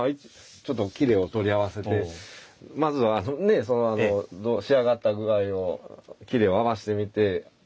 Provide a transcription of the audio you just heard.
ちょっと裂を取り合わせてまずはね仕上がった具合を裂を合わせてみて。